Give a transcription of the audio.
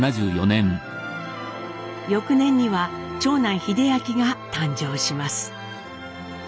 翌年には長男英明が誕生します。